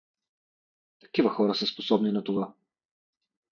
Такива хора са способни на това.